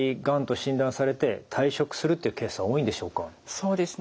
そうですね。